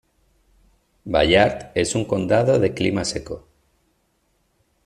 Ballard es un condado de clima seco.